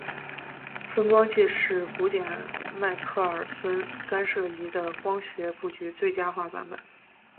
分光计是古典迈克耳孙干涉仪的光学布局最佳化版本。